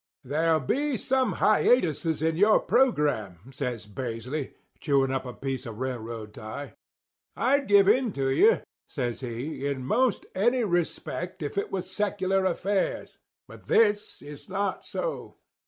"'There'll be some hiatuses in your program,' says Paisley, chewing up a piece of a railroad tie. 'I'd give in to you,' says he, 'in 'most any respect if it was secular affairs, but this is not so.